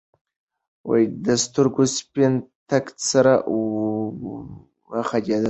د سترګو سپین تک سره واوختېدل.